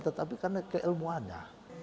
tetapi karena keilmuannya